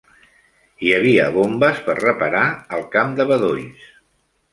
Hi havia bombes per reparar al camp de bedolls.